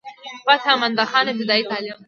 فتح مند خان ابتدائي تعليم